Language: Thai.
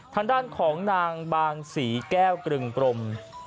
ทางด้านของนางบางศรีแก้วกรึงกรม